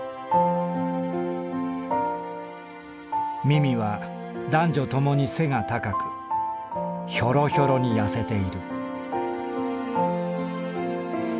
「ミミは男女ともに背が高くヒョロヒョロにやせている」。